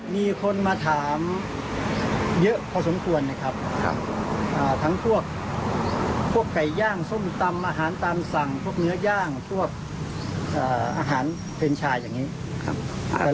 มีคนมาถามเยอะพอสมควรนะครับทั้งพวกไก่ย่างส้มตำอาหารตามสั่งพวกเนื้อย่างพวกอาหารเพนชายอย่างนี้ครับ